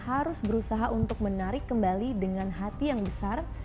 harus berusaha untuk menarik kembali dengan hati yang besar